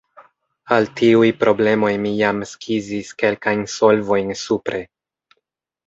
Al tiuj problemoj mi jam skizis kelkajn solvojn supre.